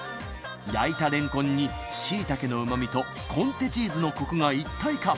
焼いたレンコンにしいたけのうま味とコンテチーズのコクが一体化。